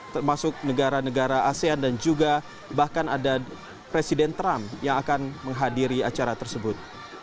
termasuk negara negara asean dan juga bahkan ada presiden trump yang akan menghadiri acara tersebut